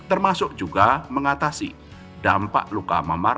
termasuk juga mengatasi dampak luka memar